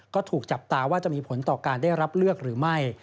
ก็ถูกจับตาว่าจะมีผลต่อการได้รับเลือกหรือไม่